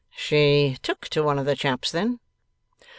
'She took to one of the chaps then?